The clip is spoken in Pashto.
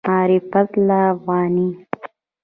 معرفت الافغاني